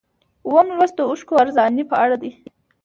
اووم لوست د اوښکو ارزاني په اړه دی.